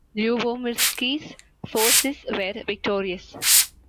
Lubomirski's forces were victorious.